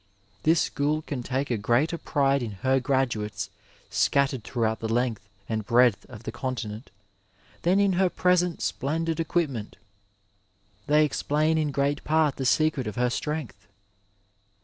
This school can take a greater pride in her graduates scattered throughout the length and breadth of the continent than in her present splendid equipment ; they explain in great part the secret of her strength.